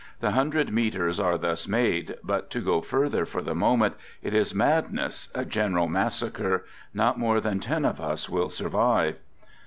The hundred meters are thus made; but to go further for the moment, it is madness, a general massacre, not more than ten of us will arrive!